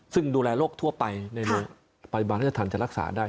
ซึ่งดูแลโรคทั่วไปในโรงพยาบาลราชธรรมจะรักษาได้